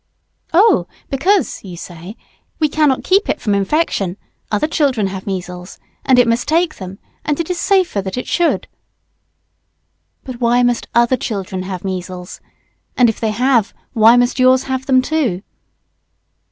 Oh because, you say, we cannot keep it from infection other children have measles and it must take them and it is safer that it should. But why must other children have measles? And if they have, why must yours have them too?